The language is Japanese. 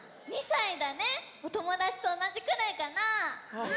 おともだちとおなじくらいかな？